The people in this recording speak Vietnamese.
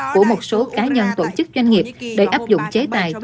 của một số cá nhân tổ chức doanh nghiệp để áp dụng chế tài